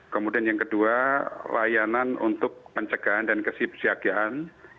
kemudian yang kedua layanan untuk pencegahan dan kesipsiagaan